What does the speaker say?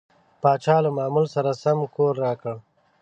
پاچا له معمول سره سم کور راکړ.